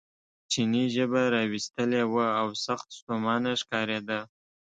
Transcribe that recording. چیني ژبه را ویستلې وه او سخت ستومانه ښکارېده.